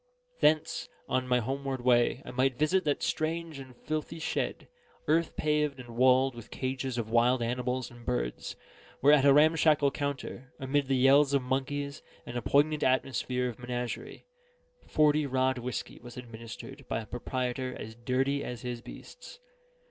Thence, on my homeward way, I might visit that strange and filthy shed, earth paved and walled with the cages of wild animals and birds, where at a ramshackle counter, amid the yells of monkeys, and a poignant atmosphere of menagerie, forty rod whiskey was administered by a proprietor as dirty as his beasts.